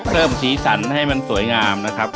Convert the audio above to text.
สีสันให้มันสวยงามนะครับ